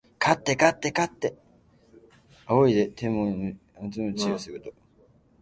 仰いで天文を見、うつむいて地理を知ること。